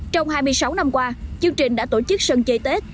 trong hai mươi sáu năm qua chương trình đã tổ chức sân chơi tết